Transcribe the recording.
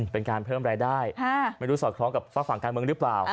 เป็นการเพิ่มรายได้ไม่รู้สอดคล้องกับฝากฝั่งการเมืองหรือเปล่า